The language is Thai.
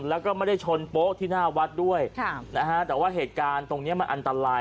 แล้วก็ไม่ได้ชนโป๊ะที่หน้าวัดด้วยแต่ว่าเหตุการณ์ตรงเนี้ยมันอันตราย